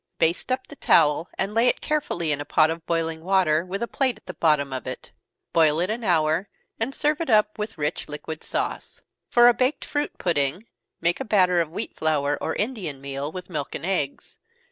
Baste up the towel, and lay it carefully in a pot of boiling water, with a plate at the bottom of it. Boil it an hour, and serve it up with rich liquid sauce. For a baked fruit pudding, make a batter of wheat flour, or Indian meal, with milk and eggs.